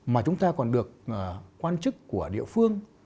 mà chúng ta còn được quan chức của địa phương